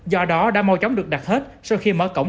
do đó đã mau chóng được đặt hết sau khi mở cổng